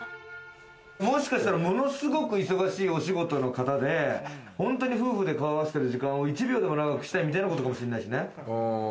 もしかしたら、ものすごく忙しいお仕事の方で、本当に夫婦で顔を合わせている時間を１秒でも長くしたいということかもしれないしね。